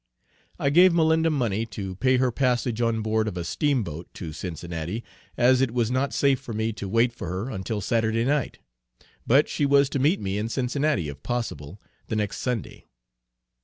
I gave Malinda money to pay her passage on board of a Steamboat to Cincinnati, as it was not safe for me to wait for her until Saturday night; but she was to meet me in Cincinnati, if possible, the next Sunday.